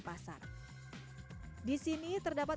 mereka sudah berjalan